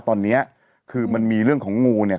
ตอนนี้คือมันมีเรื่องของงูเนี่ย